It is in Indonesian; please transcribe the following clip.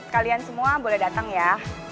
kalian semua boleh datang ya